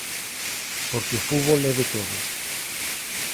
Porque o fútbol é de todos.